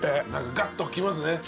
ガッときますね。